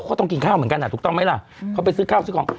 เขาต้องกินข้าวเหมือนกันอ่ะถูกต้องไหมล่ะเขาไปซื้อข้าวซื้อของ